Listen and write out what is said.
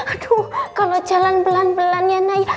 aduh kalau jalan belan belan ya naya